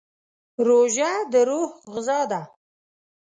روژه د روح غذا ده.